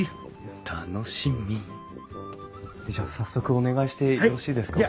楽しみじゃあ早速お願いしてよろしいですか？